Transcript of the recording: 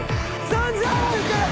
３，０００円払うから。